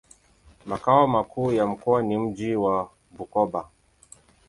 Makao makuu ya mkoa ni mji wa Bukoba.